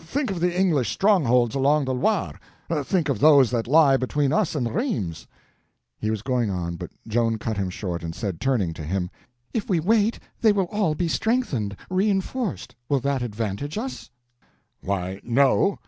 Think of the English strongholds along the Loire; think of those that lie between us and Rheims!" He was going on, but Joan cut him short, and said, turning to him: "If we wait, they will all be strengthened, reinforced. Will that advantage us?" "Why—no."